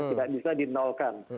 tidak bisa di nolkan